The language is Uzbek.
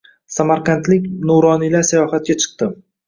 Samarqandlik nuroniylar sayohatga chiqding